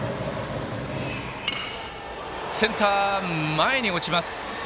センター前に落ちます。